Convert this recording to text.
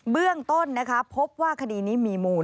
เบื้องต้นพบว่าคดีนี้มีมูล